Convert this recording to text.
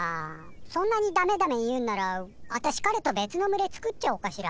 そんなに「ダメダメ」言うんなら私彼と別の群れ作っちゃおうかしら？